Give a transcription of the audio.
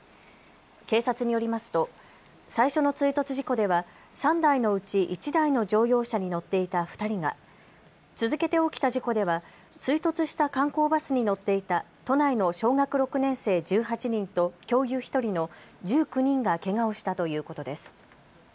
警察によりますと最初の追突事故では３台のうち１台の乗用車に乗っていた２人が、続けて起きた事故では追突した観光バスに乗っていた都内の小学６年生１８人と教諭１人の１９人がけがをしたということです。